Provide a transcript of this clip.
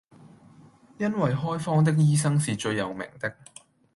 因爲開方的醫生是最有名的，